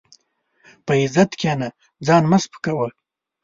په عزت کښېنه، ځان مه سپکاوه.